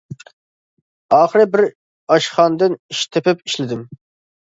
ئاخىرى بىر ئاشخانىدىن ئىش تېپىپ ئىشلىدىم.